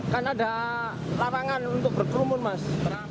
kan ada larangan untuk berkerumun mas